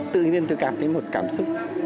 tự nhiên tôi cảm thấy một cảm xúc